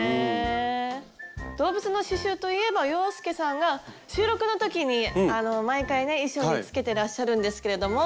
動物の刺しゅうといえば洋輔さんが収録の時にあの毎回ね衣装につけてらっしゃるんですけれども。